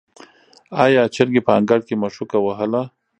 آیا چرګې په انګړ کې مښوکه وهله؟